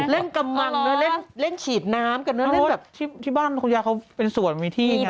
กำลังด้วยเล่นฉีดน้ำกันเนอะเล่นแบบที่บ้านคุณยายเขาเป็นส่วนมีที่ไง